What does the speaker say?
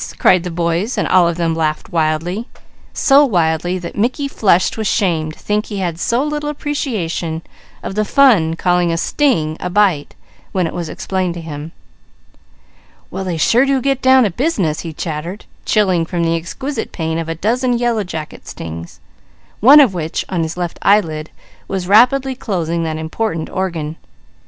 cried the boys while all of them laughed wildly, so wildly that Mickey flushed with shame to think he had so little appreciation of the fun calling a sting a bite, when it was explained to him. "Well they sure do get down to business," he chattered, chilling from the exquisite pain of a dozen yellow jacket stings, one of which on his left eyelid was rapidly closing that important organ.